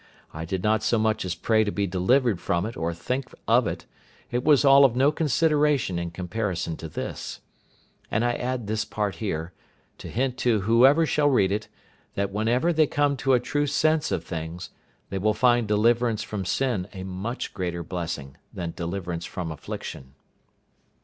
I did not so much as pray to be delivered from it or think of it; it was all of no consideration in comparison to this. And I add this part here, to hint to whoever shall read it, that whenever they come to a true sense of things, they will find deliverance from sin a much greater blessing than deliverance from affliction.